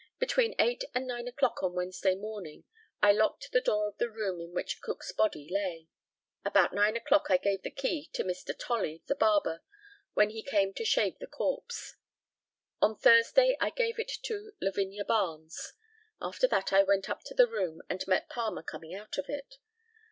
Between eight and nine o'clock on Wednesday morning, I locked the door of the room in which Cook's body lay. About nine o'clock I gave the key to Mr. Tolly the barber, when he came to shave the corpse. On Thursday I gave it to Lavinia Barnes. After that I went up to the room and met Palmer coming out of it.